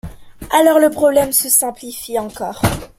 Alors le problème se simplifie encore.